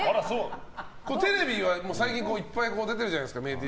テレビは最近いっぱい出てるじゃないですか。